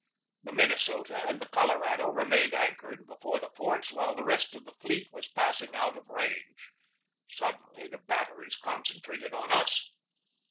The Minnesota and the Colorado remained an chored before the forts while the rest of the fleet was passing out of range. Suddenly the batteries concentrated on us.